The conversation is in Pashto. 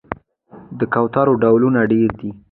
د کوترو ډولونه ډیر دي